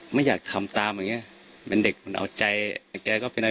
ไม่อยากทำตามอย่างเงี้ยเป็นเด็กมันเอาใจแต่แกก็เป็นอะไร